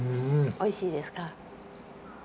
おいしいですか。